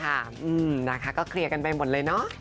นะคะก็เคลียร์กันไปหมดเลยเนาะ